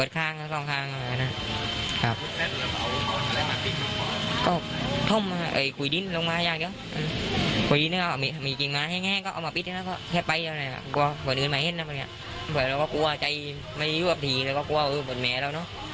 กลัวบ่นอื่นไม่เห็นแล้วก็กลัวใจไม่ยุบถีแล้วก็กลัวบ่นแหมแล้วเนอะ